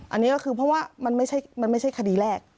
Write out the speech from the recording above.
อันนี้ก็คือเพราะว่ามันไม่ใช่คดีแรก